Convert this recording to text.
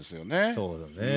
そうだね。